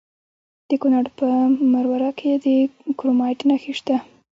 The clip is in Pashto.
د کونړ په مروره کې د کرومایټ نښې شته.